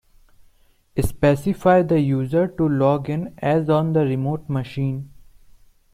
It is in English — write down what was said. Specify the user to log in as on the remote machine.